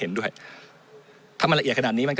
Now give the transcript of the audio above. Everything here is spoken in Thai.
มันตรวจหาได้ระยะไกลตั้ง๗๐๐เมตรครับ